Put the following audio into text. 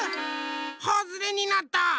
はずれになった。